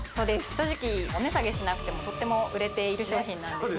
正直お値下げしなくてもとても売れている商品なんですね